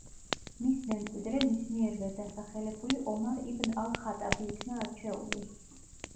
მის მემკვიდრე მის მიერვე დასახელებული ომარ იბნ ალ-ხატაბი იქნა არჩეული.